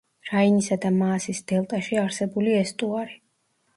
რაინისა და მაასის დელტაში არსებული ესტუარი.